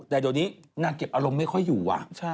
แต่เดี๋ยวนี้นางเก็บอารมณ์ไม่ค่อยอยู่ว่ะ